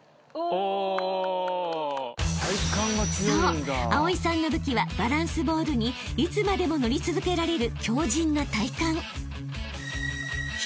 ［そう蒼さんの武器はバランスボールにいつまでも乗り続けられる］